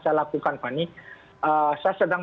saya lakukan fani saya sedang